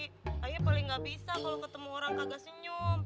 kayanya paling gak bisa kalo ketemu orang kagak senyum